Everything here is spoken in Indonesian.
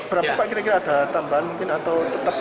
berapa pak kira kira ada tambahan mungkin atau tetap